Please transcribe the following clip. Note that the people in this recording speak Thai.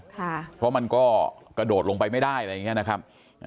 เพราะมันก็กระโดดลงไปไม่ได้อะไรอย่างนี้นะครับ